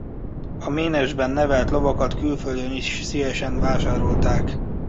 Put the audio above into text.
A ménesben nevelt lovakat külföldön is szívesen vásárolták.